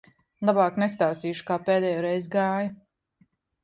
Labāk nestāstīšu, kā pēdējoreiz gāja.